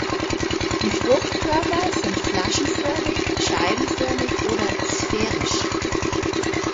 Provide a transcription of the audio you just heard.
Die Fruchtkörper sind flaschenförmig, scheibenförmig oder sphärisch.